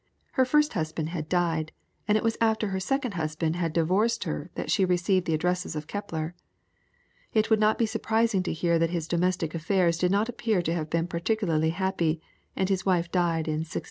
Her first husband had died; and it was after her second husband had divorced her that she received the addresses of Kepler. It will not be surprising to hear that his domestic affairs do not appear to have been particularly happy, and his wife died in 1611.